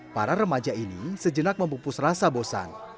para remaja ini sejenak membupus rasa bosan